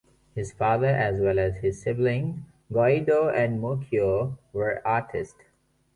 His father as well as his siblings, Guido and Muccio, were artists.